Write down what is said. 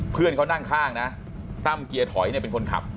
เพื่อนเขานั่งข้างนะตั้มเกียร์ถอยเนี่ยเป็นคนขับ